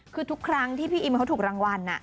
คือทุกครั้งที่พี่อิมเขาถูกรางวัล